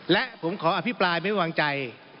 และผมขออภิปรายไม่วางใจ